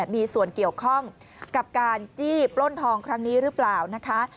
มีส่วนเกี่ยวข้องกับการจี้ปล้นทองครั้งนี้หรือเปล่านะคะ